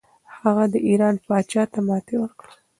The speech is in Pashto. هغه د ایران پاچا ته ماتې ورکړه.